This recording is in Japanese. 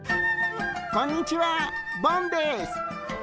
こんにちは、ボンです！